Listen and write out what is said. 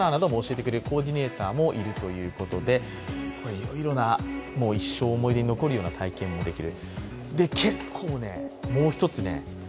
いろいろな一生思い出に残るような体験もできる。